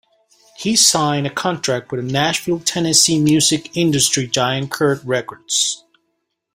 He signed a contract with Nashville, Tennessee, music industry giant Curb Records.